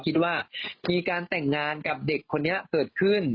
คิดว่ามีการแต่งงานกับเด็กคนนี้เกิดขึ้น